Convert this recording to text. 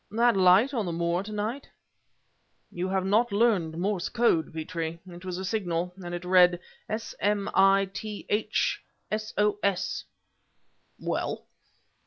"That light on the moor to night?" "You have not learned the Morse Code, Petrie. It was a signal, and it read: S M I T H... SOS." "Well?"